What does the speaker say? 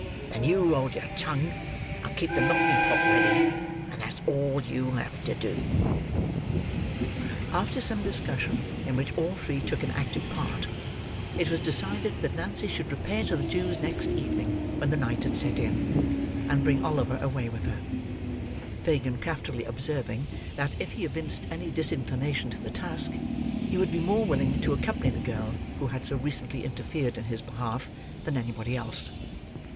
Then you hold your tongue, and keep the melting pot ready, and that's all you'll have to do." After some discussion, in which all three took an active part, it was decided that Nancy should repair to the Jew's next evening when the night had set in, and bring Oliver away with her; Fagin craftily observing, that, if he evinced any disinclination to the task, he would be more willing to accompany the girl who had so recently interfered in his behalf, than anybody else.